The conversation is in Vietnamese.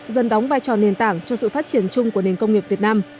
dần đóng vai trò nền tảng cho sự phát triển chung của nền công nghiệp việt nam